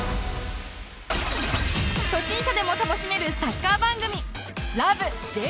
初心者でも楽しめるサッカー番組